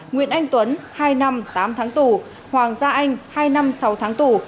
nguyễn anh tuấn hai năm tám tháng tù hoàng gia anh hai năm sáu tháng tù